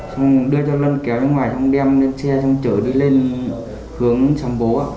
xong đưa cho lân kéo ra ngoài xong đem lên xe xong chở đi lên hướng sám bố ạ